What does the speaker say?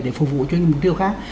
để phục vụ cho những mục tiêu khác